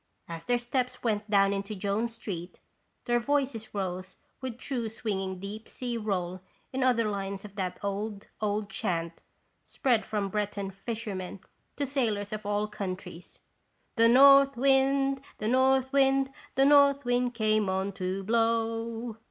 As their steps went down into Jones street their voices rose with true swinging deep sea roll in other lines of that old, old chant spread from Breton fishermen to sailors of all coun tries :" The north wind, the north wind, The north wind came on to blow."